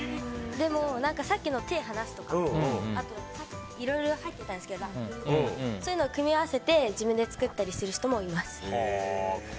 さっきの手を離すとかいろいろ入ってたんですけどそういうのを組み合わせて自分で作ったりする人もいます。